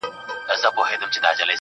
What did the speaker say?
پر دې متل باندي څه شك پيدا سو,